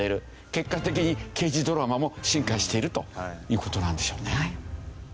結果的に刑事ドラマも進化しているという事なんでしょうね。